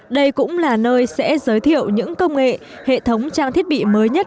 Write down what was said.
đây cũng là nơi sẽ giới thiệu những công nghệ hệ thống trang thiết bị mới nhất